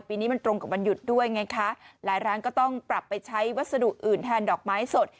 ปีนี้มันตรงกับวันหยุดด้วยไงคะหลายร้านก็ต้องปรับไปใช้วัสดุอื่นแทนดอกไม้สด